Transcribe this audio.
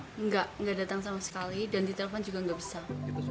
tidak tidak datang sama sekali dan di telpon juga tidak besar